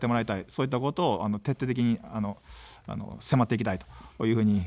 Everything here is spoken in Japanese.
そういったことを徹底的に迫っていきたいと思います。